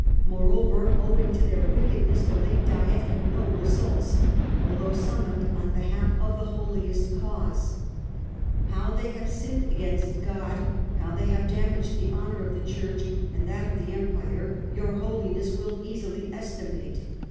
Moreover, owing to their wickedness, the late Diet had no results, although summoned on behalf of the holiest cause. How they have sinned against God, how they have damaged the honour of the Church and that of the Empire, your Holiness will easily estimate.